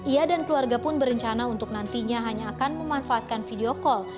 ia dan keluarga pun berencana untuk nantinya hanya akan memanfaatkan video call